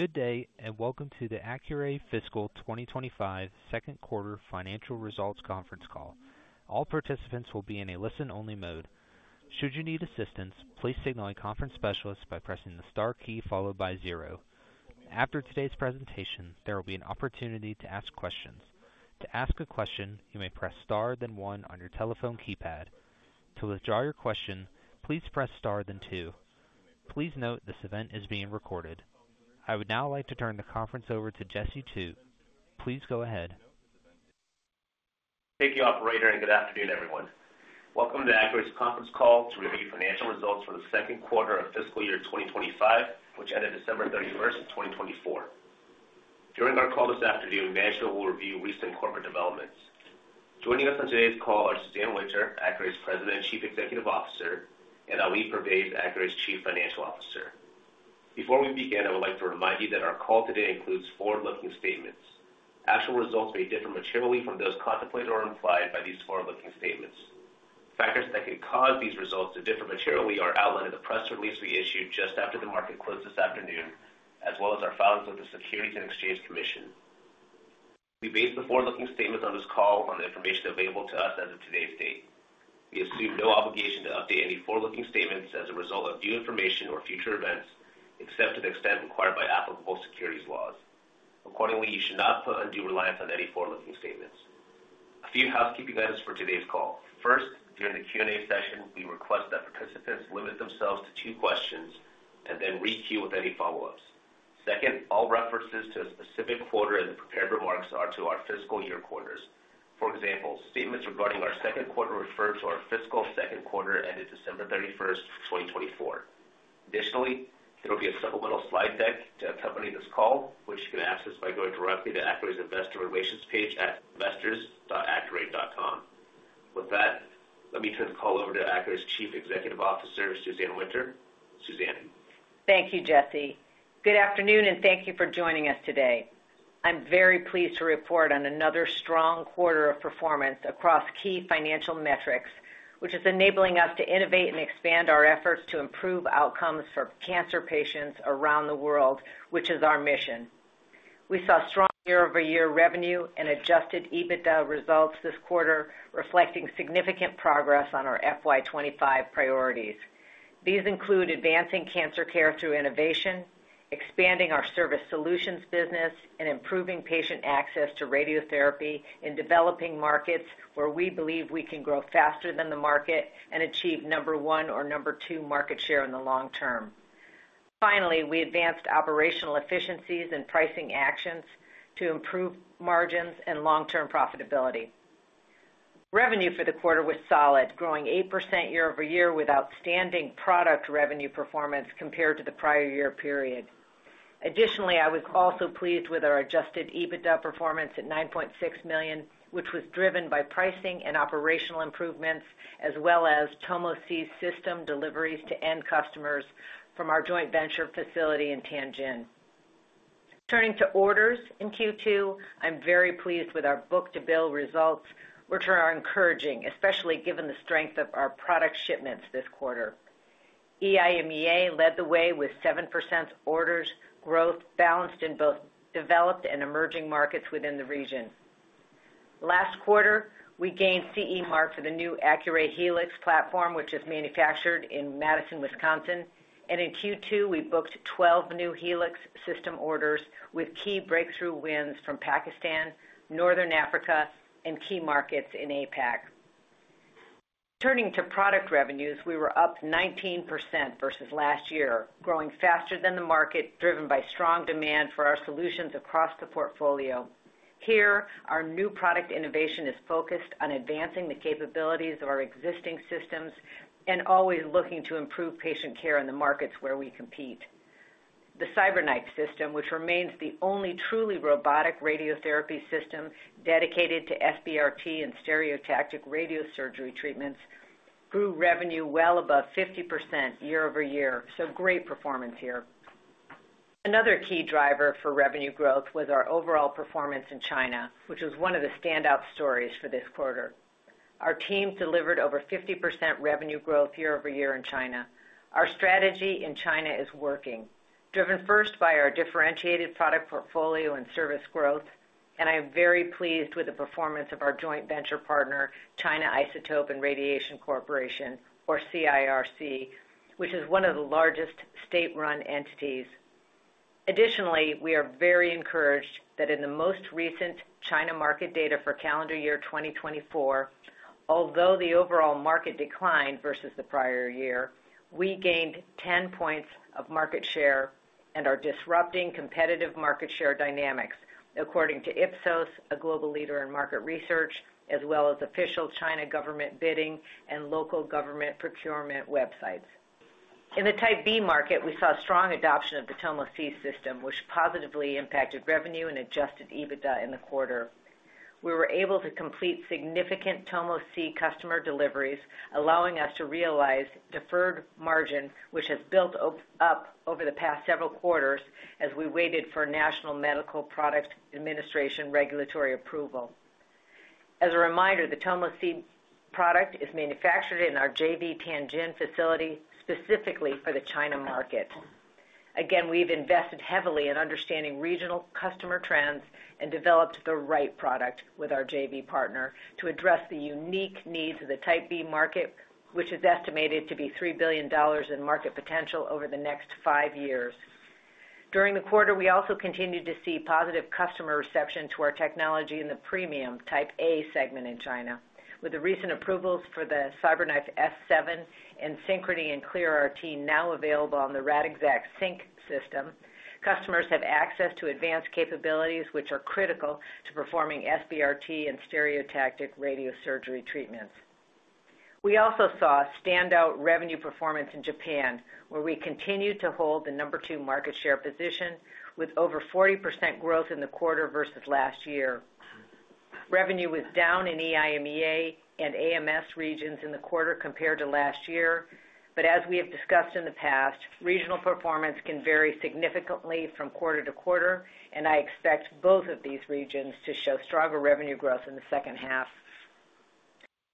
Good day, and welcome to the Accuray Fiscal 2025 second quarter financial results conference call. All participants will be in a listen-only mode. Should you need assistance, please signal a conference specialist by pressing the star key followed by zero. After today's presentation, there will be an opportunity to ask questions. To ask a question, you may press star then one on your telephone keypad. To withdraw your question, please press star then two. Please note this event is being recorded. I would now like to turn the conference over to Jesse Chew. Please go ahead. Thank you, Operator, and good afternoon, everyone. Welcome to Accuray's conference call to review financial results for the second quarter of fiscal year 2025, which ended December 31, 2024. During our call this afternoon, Management will review recent corporate developments. Joining us on today's call are Suzanne Winter, Accuray's President and Chief Executive Officer, and Ali Pervaiz, Accuray's Chief Financial Officer. Before we begin, I would like to remind you that our call today includes forward-looking statements. Actual results may differ materially from those contemplated or implied by these forward-looking statements. Factors that could cause these results to differ materially are outlined in the press release we issued just after the market closed this afternoon, as well as our filings with the Securities and Exchange Commission. We base the forward-looking statements on this call on the information available to us as of today's date. We assume no obligation to update any forward-looking statements as a result of new information or future events, except to the extent required by applicable securities laws. Accordingly, you should not put undue reliance on any forward-looking statements. A few housekeeping items for today's call. First, during the Q&A session, we request that participants limit themselves to two questions and then re-queue with any follow-ups. Second, all references to a specific quarter in the prepared remarks are to our fiscal year quarters. For example, statements regarding our second quarter refer to our fiscal second quarter ended December 31, 2024. Additionally, there will be a supplemental slide deck to accompany this call, which you can access by going directly to Accuray's Investor Relations page at investors.accuray.com. With that, let me turn the call over to Accuray's Chief Executive Officer, Suzanne Winter. Suzanne. Thank you, Jesse. Good afternoon, and thank you for joining us today. I'm very pleased to report on another strong quarter of performance across key financial metrics, which is enabling us to innovate and expand our efforts to improve outcomes for cancer patients around the world, which is our mission. We saw strong year-over-year revenue and adjusted EBITDA results this quarter, reflecting significant progress on our FY 2025 priorities. These include advancing cancer care through innovation, expanding our service solutions business, and improving patient access to radiotherapy in developing markets where we believe we can grow faster than the market and achieve number one or number two market share in the long term. Finally, we advanced operational efficiencies and pricing actions to improve margins and long-term profitability. Revenue for the quarter was solid, growing 8% year-over-year with outstanding product revenue performance compared to the prior year period. Additionally, I was also pleased with our adjusted EBITDA performance at $9.6 million, which was driven by pricing and operational improvements, as well as TomoTherapy system deliveries to end customers from our joint venture facility in Tianjin. Turning to orders in Q2, I'm very pleased with our book-to-bill results, which are encouraging, especially given the strength of our product shipments this quarter. EIMEA led the way with 7% orders growth, balanced in both developed and emerging markets within the region. Last quarter, we gained CE mark for the new Accuray Helix platform, which is manufactured in Madison, Wisconsin, and in Q2, we booked 12 new Helix system orders with key breakthrough wins from Pakistan, Northern Africa, and key markets in APAC. Turning to product revenues, we were up 19% versus last year, growing faster than the market, driven by strong demand for our solutions across the portfolio. Here, our new product innovation is focused on advancing the capabilities of our existing systems and always looking to improve patient care in the markets where we compete. The CyberKnife system, which remains the only truly robotic radiotherapy system dedicated to SBRT and stereotactic radiosurgery treatments, grew revenue well above 50% year-over-year, so great performance here. Another key driver for revenue growth was our overall performance in China, which was one of the standout stories for this quarter. Our team delivered over 50% revenue growth year-over-year in China. Our strategy in China is working, driven first by our differentiated product portfolio and service growth, and I'm very pleased with the performance of our joint venture partner, China Isotope and Radiation Corporation, or CIRC, which is one of the largest state-run entities. Additionally, we are very encouraged that in the most recent China market data for calendar year 2024, although the overall market declined versus the prior year, we gained 10 percentage points of market share and are disrupting competitive market share dynamics, according to Ipsos, a global leader in market research, as well as official China government bidding and local government procurement websites. In the Type B market, we saw strong adoption of the TomoTherapy system, which positively impacted revenue and adjusted EBITDA in the quarter. We were able to complete significant TomoTherapy customer deliveries, allowing us to realize deferred margin, which has built up over the past several quarters as we waited for National Medical Products Administration regulatory approval. As a reminder, the TomoTherapy product is manufactured in our JV Tianjin facility specifically for the China market. Again, we've invested heavily in understanding regional customer trends and developed the right product with our JV partner to address the unique needs of the Type B market, which is estimated to be $3 billion in market potential over the next five years. During the quarter, we also continued to see positive customer reception to our technology in the premium Type A segment in China. With the recent approvals for the CyberKnife S7 and Synchrony and ClearRT now available on the Radixact system, customers have access to advanced capabilities which are critical to performing SBRT and stereotactic radiosurgery treatments. We also saw standout revenue performance in Japan, where we continue to hold the number two market share position with over 40% growth in the quarter versus last year. Revenue was down in EIMEA and AMS regions in the quarter compared to last year, but as we have discussed in the past, regional performance can vary significantly from quarter to quarter, and I expect both of these regions to show stronger revenue growth in the second half.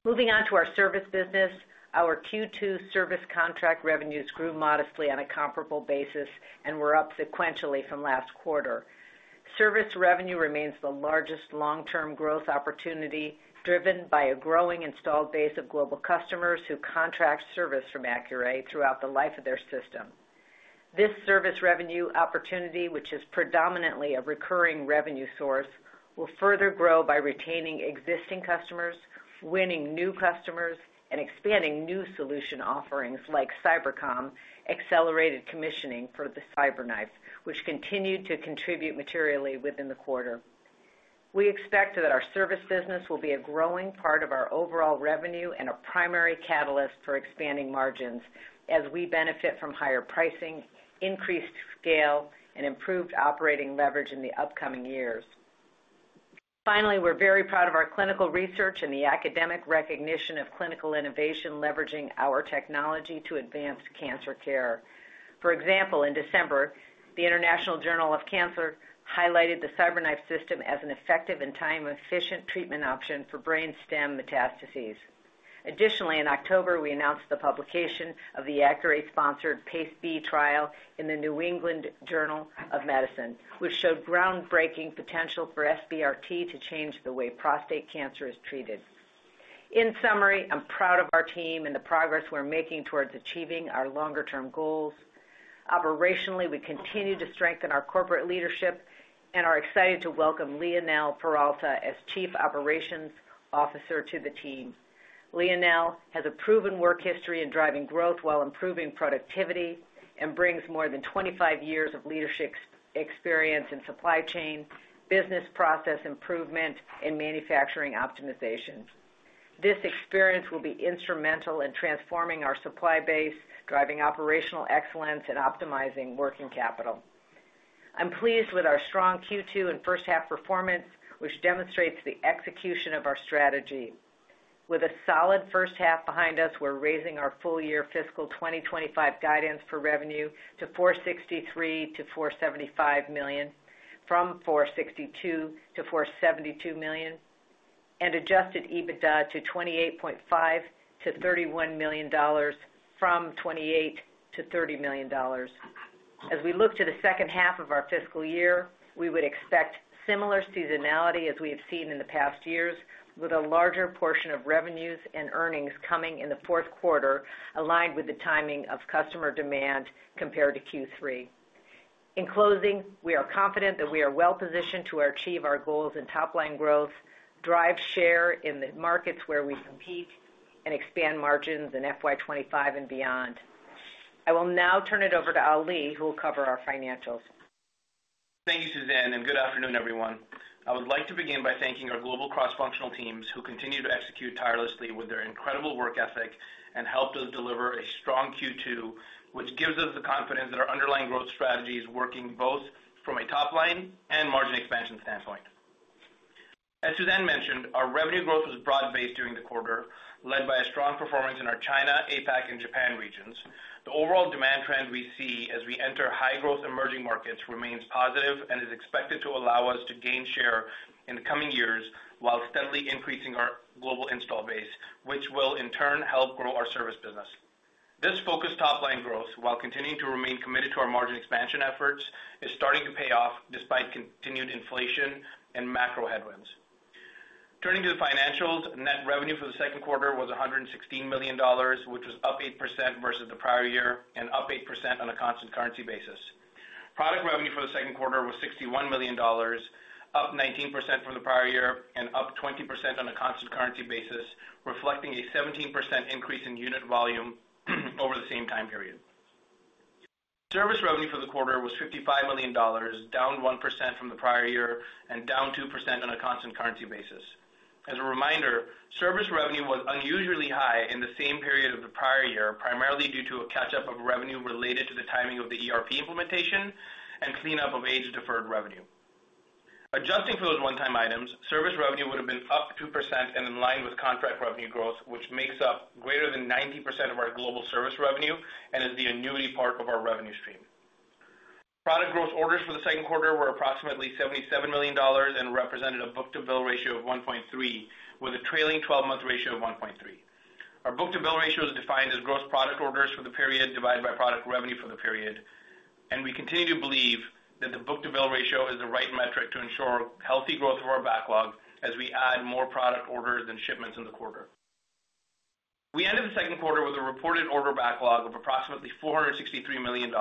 Moving on to our service business, our Q2 service contract revenues grew modestly on a comparable basis and were up sequentially from last quarter. Service revenue remains the largest long-term growth opportunity driven by a growing installed base of global customers who contract service from Accuray throughout the life of their system. This service revenue opportunity, which is predominantly a recurring revenue source, will further grow by retaining existing customers, winning new customers, and expanding new solution offerings like CyberComm accelerated commissioning for the CyberKnife, which continued to contribute materially within the quarter. We expect that our service business will be a growing part of our overall revenue and a primary catalyst for expanding margins as we benefit from higher pricing, increased scale, and improved operating leverage in the upcoming years. Finally, we're very proud of our clinical research and the academic recognition of clinical innovation leveraging our technology to advance cancer care. For example, in December, the International Journal of Cancer highlighted the CyberKnife system as an effective and time-efficient treatment option for brain stem metastases. Additionally, in October, we announced the publication of the Accuray-sponsored PACE-B trial in the New England Journal of Medicine, which showed groundbreaking potential for SBRT to change the way prostate cancer is treated. In summary, I'm proud of our team and the progress we're making towards achieving our longer-term goals. Operationally, we continue to strengthen our corporate leadership and are excited to welcome Lionel Peralta as Chief Operations Officer to the team. Lionel has a proven work history in driving growth while improving productivity and brings more than 25 years of leadership experience in supply chain, business process improvement, and manufacturing optimization. This experience will be instrumental in transforming our supply base, driving operational excellence, and optimizing working capital. I'm pleased with our strong Q2 and first-half performance, which demonstrates the execution of our strategy. With a solid first half behind us, we're raising our full-year fiscal 2025 guidance for revenue to $463 million-$475 million, from $462 million-$472 million, and adjusted EBITDA to $28.5 million-$31 million, from $28 million-$30 million. As we look to the second half of our fiscal year, we would expect similar seasonality as we have seen in the past years, with a larger portion of revenues and earnings coming in the fourth quarter, aligned with the timing of customer demand compared to Q3. In closing, we are confident that we are well-positioned to achieve our goals in top-line growth, drive share in the markets where we compete, and expand margins in FY 2025 and beyond. I will now turn it over to Ali, who will cover our financials. Thank you, Suzanne, and good afternoon, everyone. I would like to begin by thanking our global cross-functional teams who continue to execute tirelessly with their incredible work ethic and help us deliver a strong Q2, which gives us the confidence that our underlying growth strategy is working both from a top-line and margin expansion standpoint. As Suzanne mentioned, our revenue growth was broad-based during the quarter, led by a strong performance in our China, APAC, and Japan regions. The overall demand trend we see as we enter high-growth emerging markets remains positive and is expected to allow us to gain share in the coming years while steadily increasing our global install base, which will, in turn, help grow our service business. This focused top-line growth, while continuing to remain committed to our margin expansion efforts, is starting to pay off despite continued inflation and macro headwinds. Turning to the financials, net revenue for the second quarter was $116 million, which was up 8% versus the prior year and up 8% on a constant currency basis. Product revenue for the second quarter was $61 million, up 19% from the prior year and up 20% on a constant currency basis, reflecting a 17% increase in unit volume over the same time period. Service revenue for the quarter was $55 million, down 1% from the prior year and down 2% on a constant currency basis. As a reminder, service revenue was unusually high in the same period of the prior year, primarily due to a catch-up of revenue related to the timing of the ERP implementation and cleanup of age-deferred revenue. Adjusting for those one-time items, service revenue would have been up 2% and in line with contract revenue growth, which makes up greater than 90% of our global service revenue and is the annuity part of our revenue stream. Product growth orders for the second quarter were approximately $77 million and represented a book-to-bill ratio of 1.3, with a trailing 12-month ratio of 1.3. Our book-to-bill ratio is defined as gross product orders for the period divided by product revenue for the period, and we continue to believe that the book-to-bill ratio is the right metric to ensure healthy growth of our backlog as we add more product orders than shipments in the quarter. We ended the second quarter with a reported order backlog of approximately $463 million,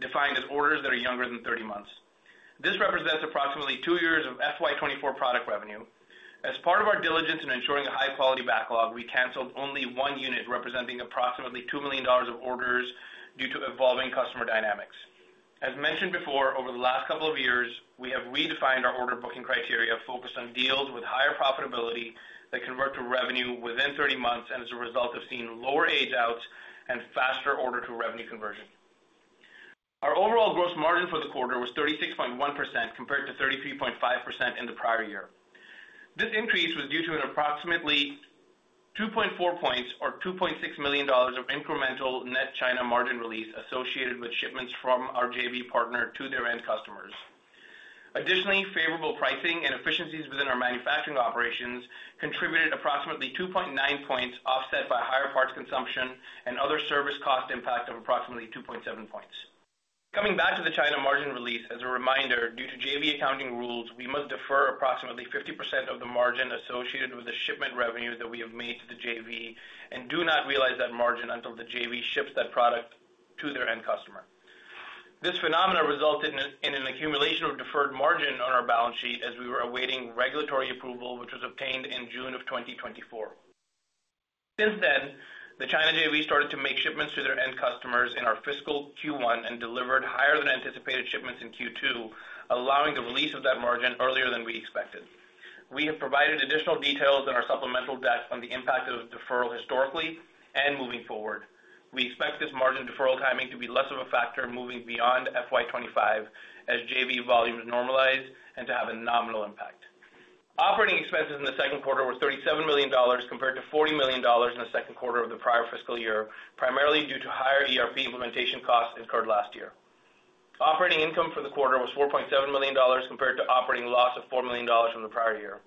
defined as orders that are younger than 30 months. This represents approximately two years of FY 2024 product revenue. As part of our diligence in ensuring a high-quality backlog, we canceled only one unit representing approximately $2 million of orders due to evolving customer dynamics. As mentioned before, over the last couple of years, we have redefined our order booking criteria focused on deals with higher profitability that convert to revenue within 30 months and as a result have seen lower age-outs and faster order-to-revenue conversion. Our overall gross margin for the quarter was 36.1% compared to 33.5% in the prior year. This increase was due to an approximately 2.4 percentage points or $2.6 million of incremental net China margin release associated with shipments from our JV partner to their end customers. Additionally, favorable pricing and efficiencies within our manufacturing operations contributed approximately 2.9 percentage points, offset by higher parts consumption and other service cost impact of approximately 2.7 percentage points. Coming back to the China margin release, as a reminder, due to JV accounting rules, we must defer approximately 50% of the margin associated with the shipment revenue that we have made to the JV and do not realize that margin until the JV ships that product to their end customer. This phenomena resulted in an accumulation of deferred margin on our balance sheet as we were awaiting regulatory approval, which was obtained in June of 2024. Since then, the China JV started to make shipments to their end customers in our fiscal Q1 and delivered higher than anticipated shipments in Q2, allowing the release of that margin earlier than we expected. We have provided additional details in our supplemental deck on the impact of deferral historically and moving forward. We expect this margin deferral timing to be less of a factor moving beyond FY 2025 as JV volumes normalize and to have a nominal impact. Operating expenses in the second quarter were $37 million compared to $40 million in the second quarter of the prior fiscal year, primarily due to higher ERP implementation costs incurred last year. Operating income for the quarter was $4.7 million compared to operating loss of $4 million from the prior year.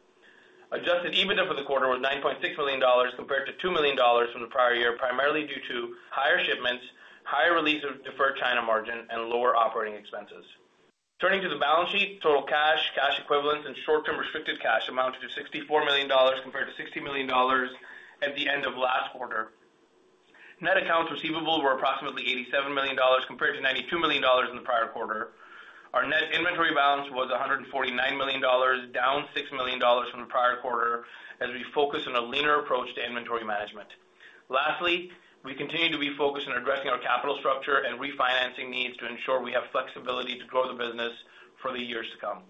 Adjusted EBITDA for the quarter was $9.6 million compared to $2 million from the prior year, primarily due to higher shipments, higher release of deferred China margin, and lower operating expenses. Turning to the balance sheet, total cash, cash equivalents, and short-term restricted cash amounted to $64 million compared to $60 million at the end of last quarter. Net accounts receivable were approximately $87 million compared to $92 million in the prior quarter. Our net inventory balance was $149 million, down $6 million from the prior quarter as we focus on a leaner approach to inventory management. Lastly, we continue to be focused on addressing our capital structure and refinancing needs to ensure we have flexibility to grow the business for the years to come.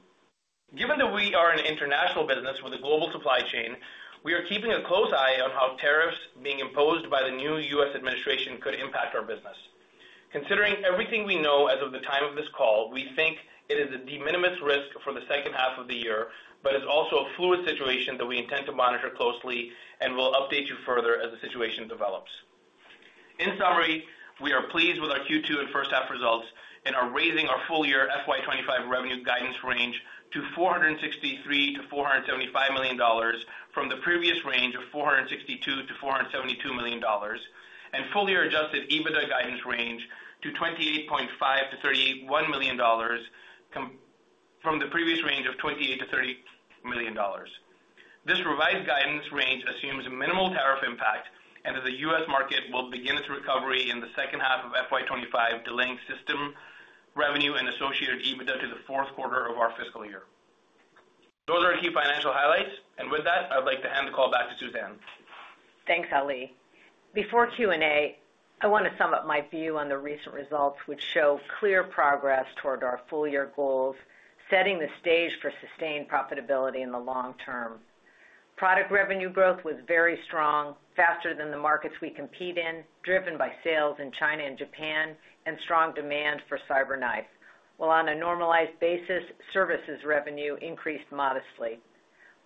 Given that we are an international business with a global supply chain, we are keeping a close eye on how tariffs being imposed by the new U.S. administration could impact our business. Considering everything we know as of the time of this call, we think it is a de minimis risk for the second half of the year, but it's also a fluid situation that we intend to monitor closely and will update you further as the situation develops. In summary, we are pleased with our Q2 and first-half results and are raising our full-year FY 2025 revenue guidance range to $463 million-$475 million from the previous range of $462 million-$472 million and full-year adjusted EBITDA guidance range to $28.5 million-$31 million from the previous range of $28 million-$30 million. This revised guidance range assumes minimal tariff impact and that the U.S. market will begin its recovery in the second half of FY25, delaying system revenue and associated EBITDA to the fourth quarter of our fiscal year. Those are our key financial highlights, and with that, I'd like to hand the call back to Suzanne. Thanks, Ali. Before Q&A, I want to sum up my view on the recent results, which show clear progress toward our full-year goals, setting the stage for sustained profitability in the long term. Product revenue growth was very strong, faster than the markets we compete in, driven by sales in China and Japan and strong demand for CyberKnife. While on a normalized basis, services revenue increased modestly.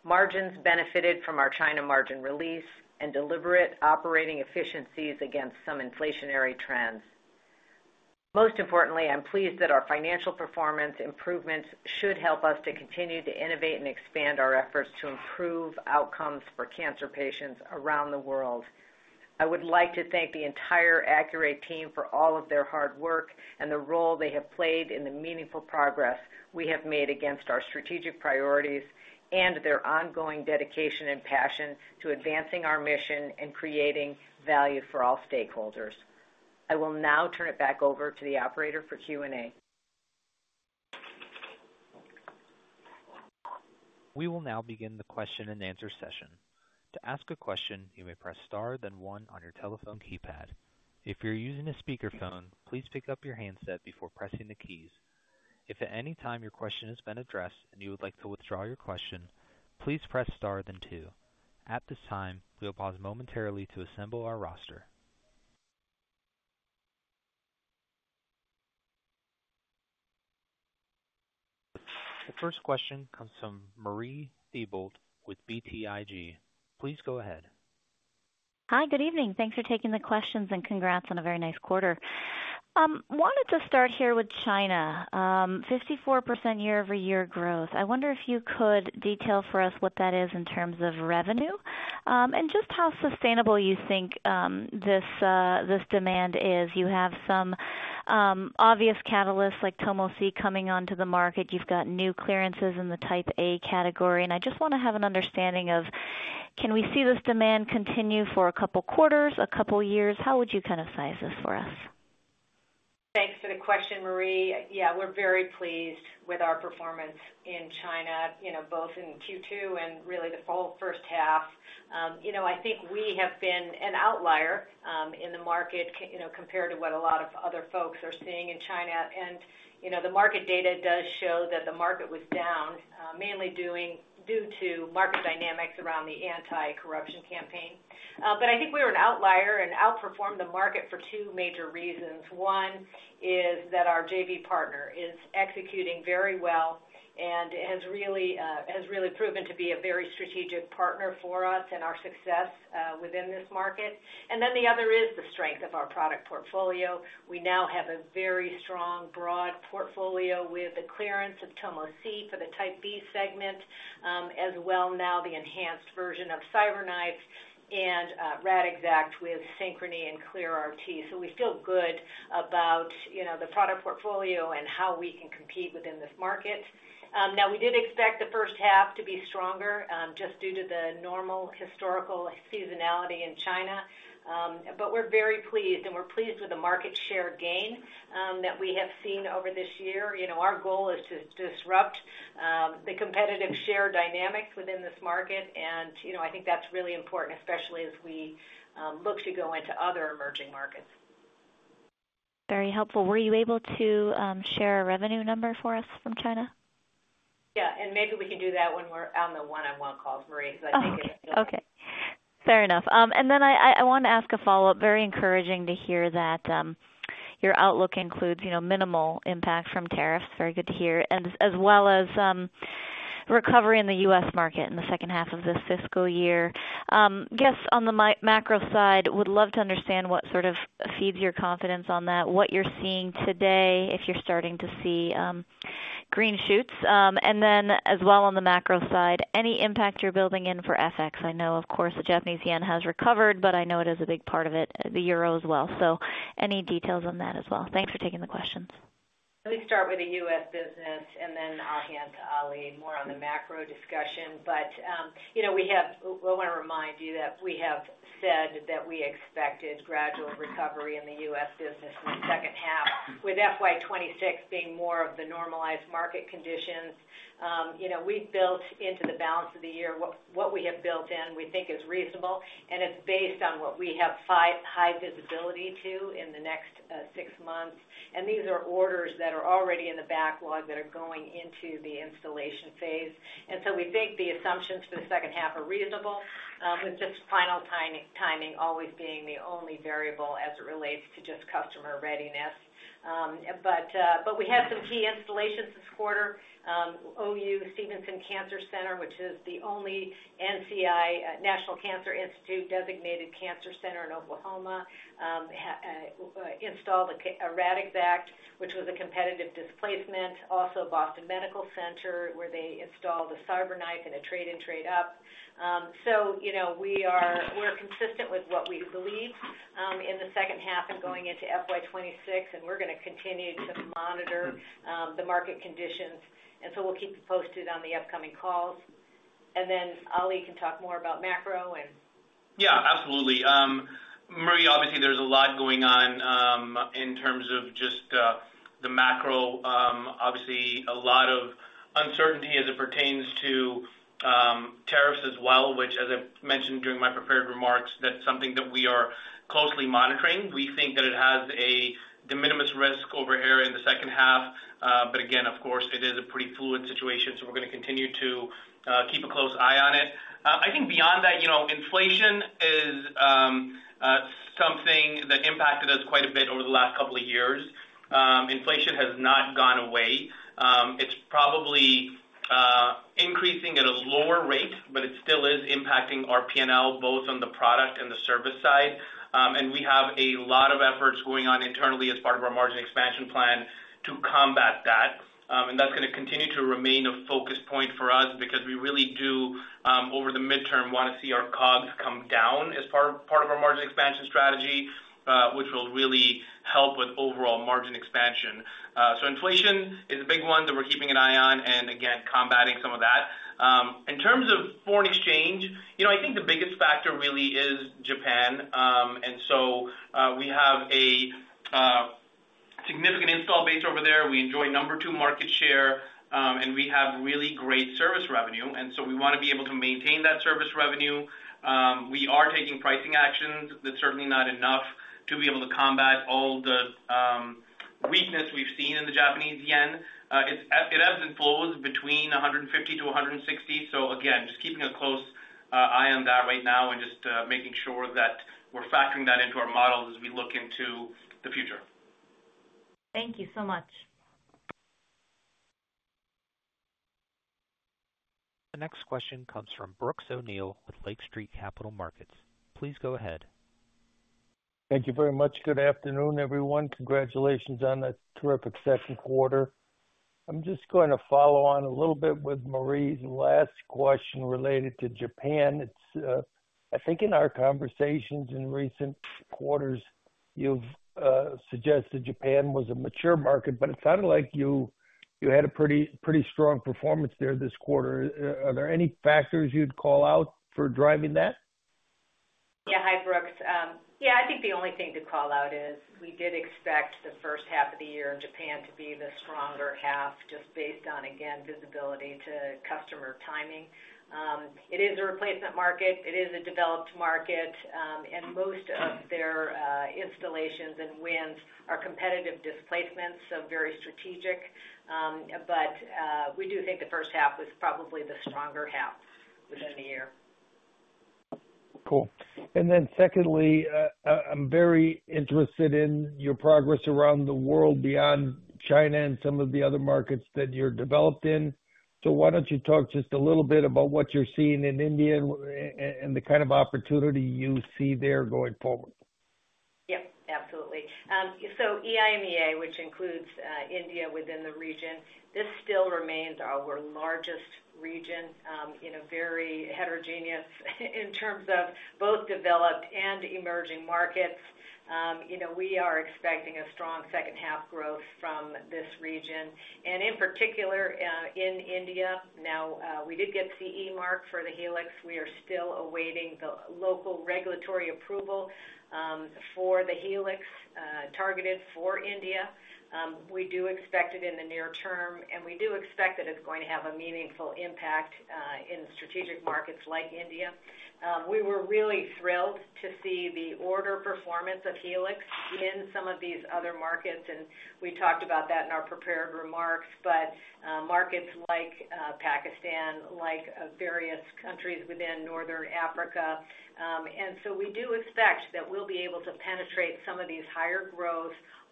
Margins benefited from our China margin release and deliberate operating efficiencies against some inflationary trends. Most importantly, I'm pleased that our financial performance improvements should help us to continue to innovate and expand our efforts to improve outcomes for cancer patients around the world. I would like to thank the entire Accuray team for all of their hard work and the role they have played in the meaningful progress we have made against our strategic priorities and their ongoing dedication and passion to advancing our mission and creating value for all stakeholders. I will now turn it back over to the operator for Q&A. We will now begin the question-and-answer session. To ask a question, you may press star, then one on your telephone keypad. If you're using a speakerphone, please pick up your handset before pressing the keys. If at any time your question has been addressed and you would like to withdraw your question, please press Star, then two. At this time, we will pause momentarily to assemble our roster. The first question comes from Marie Thibault with BTIG. Please go ahead. Hi, good evening. Thanks for taking the questions and congrats on a very nice quarter. I wanted to start here with China, 54% year-over-year growth. I wonder if you could detail for us what that is in terms of revenue and just how sustainable you think this demand is. You have some obvious catalysts like Tomo C coming onto the market. You have got new clearances in the Type A category. I just want to have an understanding of, can we see this demand continue for a couple of quarters, a couple of years? How would you kind of size this for us? Thanks for the question, Marie. Yeah, we're very pleased with our performance in China, both in Q2 and really the full first half. I think we have been an outlier in the market compared to what a lot of other folks are seeing in China. The market data does show that the market was down, mainly due to market dynamics around the anti-corruption campaign. I think we were an outlier and outperformed the market for two major reasons. One is that our JV partner is executing very well and has really proven to be a very strategic partner for us and our success within this market. The other is the strength of our product portfolio. We now have a very strong, broad portfolio with the clearance of Tomo C for the Type B segment, as well now the enhanced version of CyberKnife and Radixact with Synchrony and ClearRT. We feel good about the product portfolio and how we can compete within this market. We did expect the first half to be stronger just due to the normal historical seasonality in China. We are very pleased, and we are pleased with the market share gain that we have seen over this year. Our goal is to disrupt the competitive share dynamics within this market, and I think that is really important, especially as we look to go into other emerging markets. Very helpful. Were you able to share a revenue number for us from China? Yeah, and maybe we can do that when we're on the one-on-one calls, Marie, because I think it's. Okay. Fair enough. I want to ask a follow-up. Very encouraging to hear that your outlook includes minimal impact from tariffs. Very good to hear. As well as recovery in the U.S. market in the second half of this fiscal year. Guess on the macro side, would love to understand what sort of feeds your confidence on that, what you're seeing today if you're starting to see green shoots. As well on the macro side, any impact you're building in for FX? I know, of course, the Japanese yen has recovered, but I know it is a big part of it, the euro as well. Any details on that as well? Thanks for taking the questions. Let me start with the U.S. business, and then I'll hand to Ali more on the macro discussion. I want to remind you that we have said that we expected gradual recovery in the U.S. business in the second half, with FY 2026 being more of the normalized market conditions. We've built into the balance of the year what we have built in, we think is reasonable, and it's based on what we have high visibility to in the next six months. These are orders that are already in the backlog that are going into the installation phase. We think the assumptions for the second half are reasonable, with just final timing always being the only variable as it relates to just customer readiness. We had some key installations this quarter. OU Stephenson Cancer Center, which is the only NCI National Cancer Institute designated cancer center in Oklahoma, installed a Radixact, which was a competitive displacement. Also, Boston Medical Center, where they installed a CyberKnife and a trade-in trade-up. We are consistent with what we believe in the second half and going into FY 2026, and we are going to continue to monitor the market conditions. We will keep you posted on the upcoming calls. Ali can talk more about macro and. Yeah, absolutely. Marie, obviously, there's a lot going on in terms of just the macro. Obviously, a lot of uncertainty as it pertains to tariffs as well, which, as I mentioned during my prepared remarks, that's something that we are closely monitoring. We think that it has a de minimis risk over here in the second half. Again, of course, it is a pretty fluid situation, so we're going to continue to keep a close eye on it. I think beyond that, inflation is something that impacted us quite a bit over the last couple of years. Inflation has not gone away. It's probably increasing at a lower rate, but it still is impacting our P&L, both on the product and the service side. We have a lot of efforts going on internally as part of our margin expansion plan to combat that. That is going to continue to remain a focus point for us because we really do, over the midterm, want to see our COGS come down as part of our margin expansion strategy, which will really help with overall margin expansion. Inflation is a big one that we are keeping an eye on and, again, combating some of that. In terms of foreign exchange, I think the biggest factor really is Japan. We have a significant install base over there. We enjoy number two market share, and we have really great service revenue. We want to be able to maintain that service revenue. We are taking pricing actions. That is certainly not enough to be able to combat all the weakness we have seen in the Japanese yen. It ebbs and flows between 150-160. Again, just keeping a close eye on that right now and just making sure that we're factoring that into our models as we look into the future. Thank you so much. The next question comes from Brooks O'Neil with Lake Street Capital Markets. Please go ahead. Thank you very much. Good afternoon, everyone. Congratulations on a terrific second quarter. I'm just going to follow on a little bit with Marie's last question related to Japan. I think in our conversations in recent quarters, you've suggested Japan was a mature market, but it sounded like you had a pretty strong performance there this quarter. Are there any factors you'd call out for driving that? Yeah, hi, Brooks. Yeah, I think the only thing to call out is we did expect the first half of the year in Japan to be the stronger half just based on, again, visibility to customer timing. It is a replacement market. It is a developed market. Most of their installations and wins are competitive displacements, so very strategic. We do think the first half was probably the stronger half within the year. Cool. Secondly, I'm very interested in your progress around the world beyond China and some of the other markets that you've developed in. Why don't you talk just a little bit about what you're seeing in India and the kind of opportunity you see there going forward? Yep, absolutely. EIMEA, which includes India within the region, still remains our largest region and is very heterogeneous in terms of both developed and emerging markets. We are expecting strong second half growth from this region. In particular, in India, we did get CE mark for the Helix. We are still awaiting the local regulatory approval for the Helix targeted for India. We do expect it in the near term, and we do expect that it's going to have a meaningful impact in strategic markets like India. We were really thrilled to see the order performance of Helix in some of these other markets. We talked about that in our prepared remarks, but markets like Pakistan, like various countries within Northern Africa. We do expect that we'll be able to penetrate some of these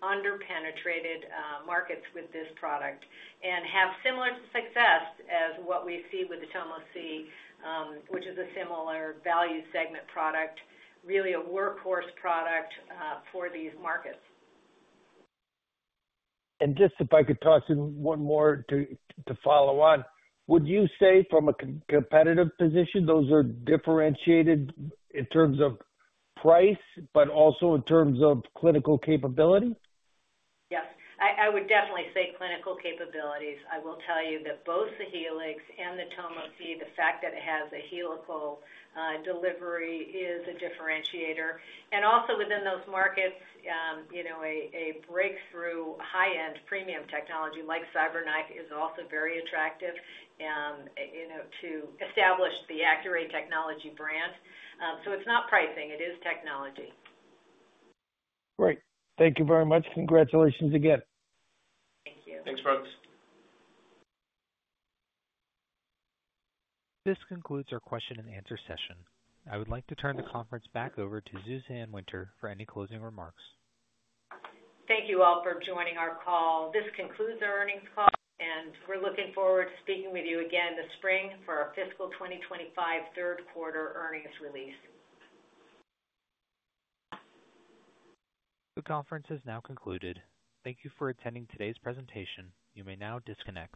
higher growth underpenetrated markets with this product and have similar success as what we see with the TomoTherapy, which is a similar value segment product, really a workhorse product for these markets. If I could talk to one more to follow on, would you say from a competitive position, those are differentiated in terms of price, but also in terms of clinical capability? Yes. I would definitely say clinical capabilities. I will tell you that both the Helix and the Tomo C, the fact that it has a helical delivery is a differentiator. Also within those markets, a breakthrough high-end premium technology like CyberKnife is also very attractive to establish the Accuray technology brand. It is not pricing. It is technology. Great. Thank you very much. Congratulations again. Thank you. Thanks, Brooks. This concludes our question-and-answer session. I would like to turn the conference back over to Suzanne Winter for any closing remarks. Thank you all for joining our call. This concludes our earnings call, and we're looking forward to speaking with you again this spring for our fiscal 2025 third quarter earnings release. The conference has now concluded. Thank you for attending today's presentation. You may now disconnect.